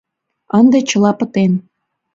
Ынде чыла пытен.